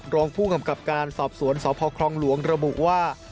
รองผู้กำกับการสอบสวนสพครองหลวงระบุว่า